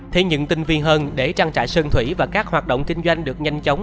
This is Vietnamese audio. thế nhưng tinh vi hơn để trang trại sơn thủy và các hoạt động kinh doanh được nhanh chóng